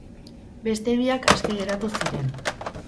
Beste biak aske geratu ziren.